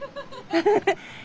フフフ。